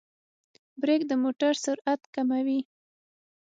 برېک د موټر سرعت کموي.